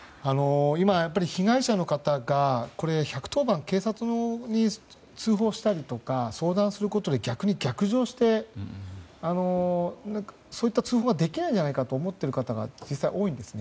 今、被害者の方が１１０番、警察に通報したりとか相談することで逆に逆上してそういった通報ができないんじゃないかと思っている方が実際多いんですね。